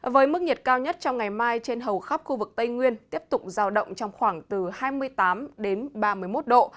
với mức nhiệt cao nhất trong ngày mai trên hầu khắp khu vực tây nguyên tiếp tục giao động trong khoảng từ hai mươi tám đến ba mươi một độ